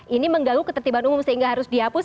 ini mengganggu ketertiban umum sehingga harus dihapus